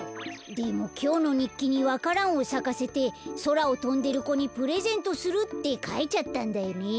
でもきょうのにっきにわか蘭をさかせてそらをとんでる子にプレゼントするってかいちゃったんだよね。